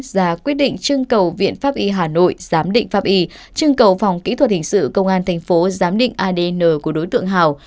ra quyết định trưng cầu viện pháp y hà nội giám định pháp y chương cầu phòng kỹ thuật hình sự công an thành phố giám định adn của đối tượng hào